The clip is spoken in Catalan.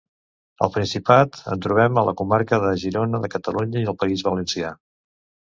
Al Principat, en trobem a la comarca de Girona de Catalunya i al País Valencià.